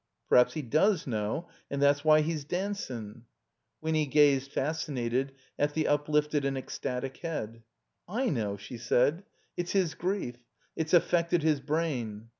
"Per'aps he does know, and that's why he's dancin'." 319 THE COMBINED MAZE Winny gazed, fascinated^ at the uplifted and ec static head. ' *I know," she said. '' It's his grief. It's affected his brain."